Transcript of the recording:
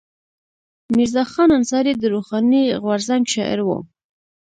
میرزا خان انصاري د روښاني غورځنګ شاعر و.